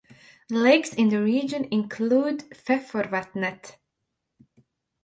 Lakes in the region include Feforvatnet.